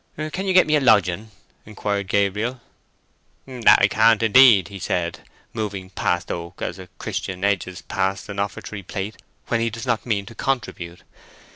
"Can you get me a lodging?" inquired Gabriel. "That I can't, indeed," he said, moving past Oak as a Christian edges past an offertory plate when he does not mean to contribute.